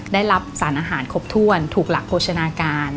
ได้รับสารอาหารครบถ้วนถูกหลักโภชนาการ